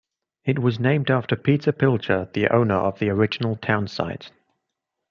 It was named after Peter Pilger, the owner of the original townsite.